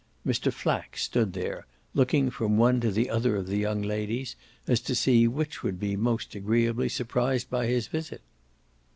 Mr. Flack stood there, looking from one to the other of the young ladies as to see which would be most agreeably surprised by his visit.